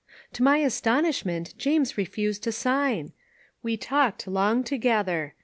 To my astonishment James refused to sign. We talked long together.